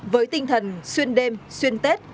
với tinh thần xuyên đêm xuyên tết